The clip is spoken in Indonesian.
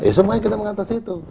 eh semuanya kita mengatas itu